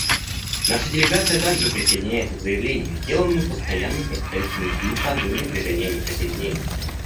Наша делегация также присоединяется к заявлению, сделанному Постоянным представителем Египта от имени Движения неприсоединения.